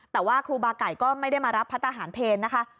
แต่ว่าครูบาไก่ก็ไม่ได้มารับพระทหารเพลนะคะ